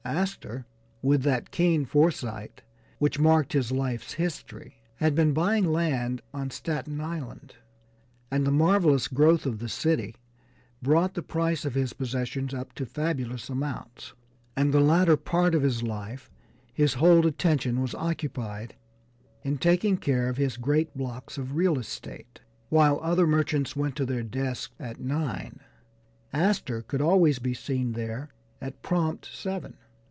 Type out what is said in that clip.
Astor, with that keen foresight which marked his life's history, had been buying land on Staten Island, and the marvelous growth of the city brought the price of his possessions up to fabulous amounts, and the latter part of his life his whole attention was occupied in taking care of his great blocks of real estate. While other merchants went to their desks at nine, Astor could always be seen there at prompt seven.